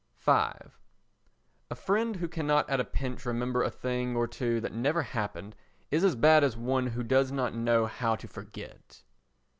v A friend who cannot at a pinch remember a thing or two that never happened is as bad as one who does not know how to forget.